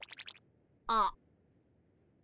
あっ。